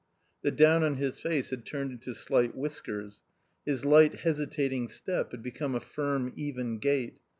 The down on his face had turned into slight whiskers. His light hesitating step had become a firm even gait.